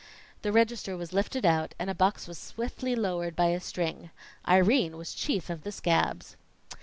The register was lifted out, and a box was swiftly lowered by a string. Irene was chief of the scabs.